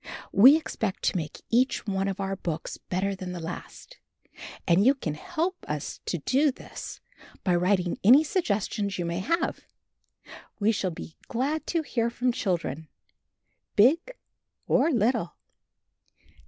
We expect to make each one of our books better than the last, and you can help us to do this by writing any suggestions you may have. We shall be glad to hear from children, big or little.